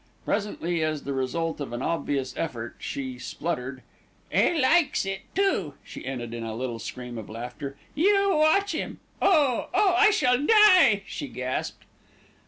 Presently, as the result of an obvious effort, she spluttered, "'E likes it, too," she ended in a little scream of laughter. "You watch him. Oh, oh, I shall die!" she gasped.